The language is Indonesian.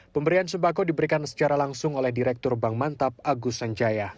pemberian sembako diberikan secara langsung oleh direktur bank mantap agus sanjaya